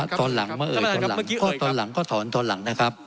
ตอนหลังมาเอ่ยตอนหลังก็ตอนหลังก็ถอนตอนหลังนะครับ